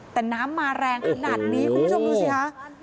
แต่น้ำมาแรงขนาดนี้คุณผู้ชมดูสิคะ